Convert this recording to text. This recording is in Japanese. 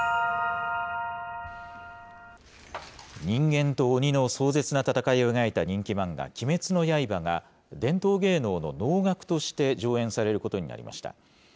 人間と鬼の壮絶な戦いを描いた人気漫画、鬼滅の刃が、伝統芸能の能楽として上演されることになりました。